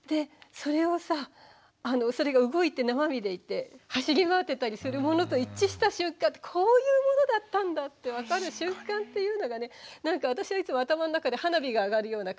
それが動いて生身でいて走り回ってたりするものと一致した瞬間こういうものだったんだって分かる瞬間っていうのがねなんか私はいつもそういうなんか感動があるのよね。